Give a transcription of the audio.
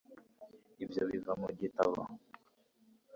ibyo biva mu gitabo